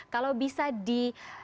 kalau bisa di